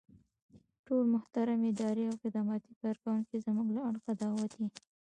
ټول محترم اداري او خدماتي کارکوونکي زمونږ له اړخه دعوت يئ.